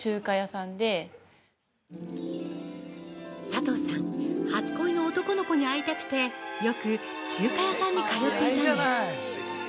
◆佐藤さん、初恋の男の子に会いたくてよく中華屋さんに通っていたんです。